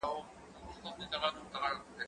که وخت وي، امادګي نيسم؟!